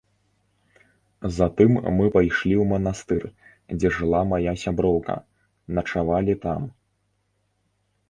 Затым мы пайшлі ў манастыр, дзе жыла мая сяброўка, начавалі там.